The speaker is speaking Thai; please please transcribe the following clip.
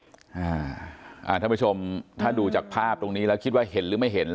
ท่านผู้ชมถ้าดูจากภาพตรงนี้แล้วคิดว่าเห็นหรือไม่เห็น